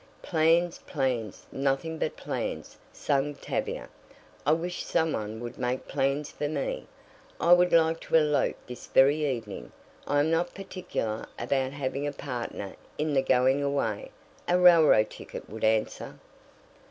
"Plans, plans, nothing but plans," sang Tavia. "I wish some one would make plans for me. I would like to elope this very evening. I am not particular about having a partner in the going away; a railroad ticket would answer."